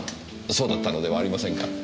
そうだったのではありませんか？